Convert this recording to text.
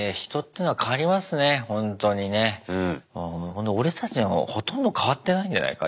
ほんで俺たちはほとんど変わってないんじゃないか？